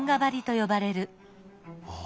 はあ。